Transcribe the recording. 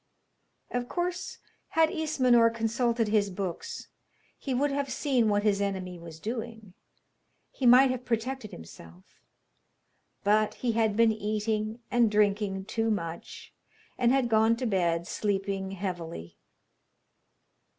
Of course, had Ismenor consulted his books he would have seen what his enemy was doing, he might have protected himself; but he had been eating and drinking too much, and had gone to bed, sleeping heavily.